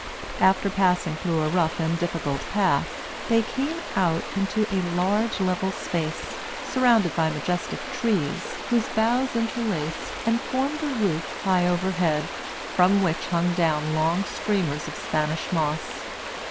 After passing through a rough and difficult path, they came out into a large level space, surrounded by majestic trees, whose boughs interlaced, and formed a roof high overhead, from which hung down long streamers of Spanish moss.